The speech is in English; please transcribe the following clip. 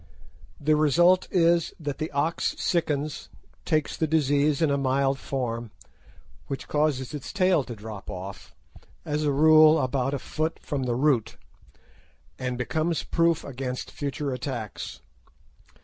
The result is that the ox sickens, takes the disease in a mild form, which causes its tail to drop off, as a rule about a foot from the root, and becomes proof against future attacks.